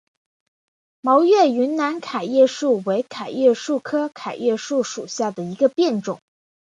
毛叶云南桤叶树为桤叶树科桤叶树属下的一个变种。